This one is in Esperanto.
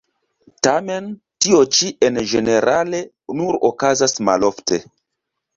Tamen tio ĉi en ĝenerale nur okazas malofte.